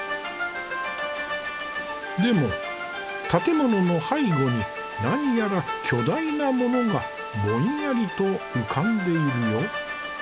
でも建物の背後に何やら巨大なものがぼんやりと浮かんでいるよ。